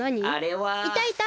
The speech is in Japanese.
いたいた！